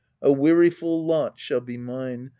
a weariful lot shall be mine